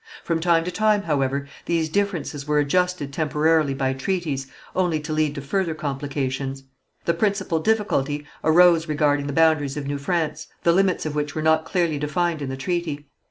From time to time, however, these differences were adjusted temporarily by treaties, only to lead to further complications. The principal difficulty arose regarding the boundaries of New France, the limits of which were not clearly defined in the treaty.